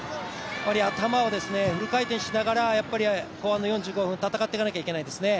頭をフル回転しながら後半の４５分戦っていかないといけないですね。